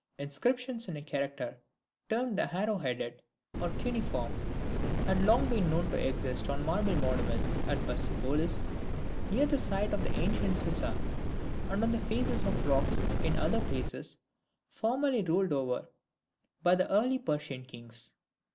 Inscriptions in a character termed the Arrow headed, or Cuneiform, had long been known to exist on the marble monuments at Persepolis, near the site of the ancient Susa, and on the faces of rocks in other places formerly ruled over by the early Persian kings.